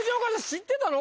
知ってたの？